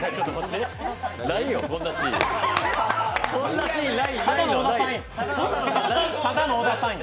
ないよ、そんなシーン。